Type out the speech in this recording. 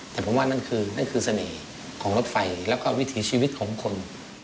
แต่ผมว่านั่นคือนั่นคือเสน่ห์ของรถไฟแล้วก็วิถีชีวิตของคน